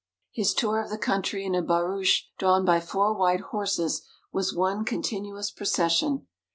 His tour of the country in a barouche drawn by four white horses, was one continuous procession.